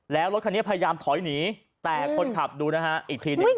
แล้วรถคันนี้พยายามถอยหนีแต่คนขับดูนะฮะอีกทีหนึ่ง